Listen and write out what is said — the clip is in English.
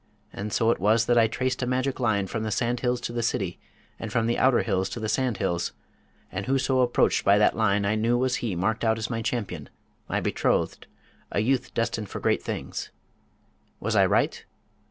And so it was that I traced a magic line from the sand hills to the city, and from the outer hills to the sand hills; and whoso approached by that line I knew was he marked out as my champion, my betrothed, a youth destined for great things. Was I right?